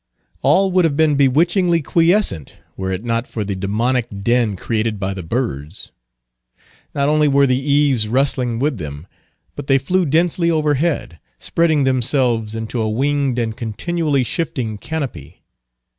All would have been bewitchingly quiescent, were it not for the demoniac din created by the birds. Not only were the eaves rustling with them, but they flew densely overhead, spreading themselves into a winged and continually shifting canopy.